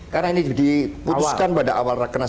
karena ini diputuskan pada awal rakernas